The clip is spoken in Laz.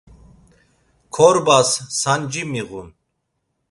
Korbas sanci miğun.